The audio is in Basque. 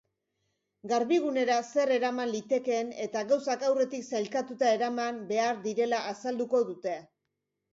Garbigunera zer eraman litekeen eta gauzak aurretik sailkatuta eraman behar direla azalduko dute.